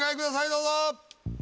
どうぞ。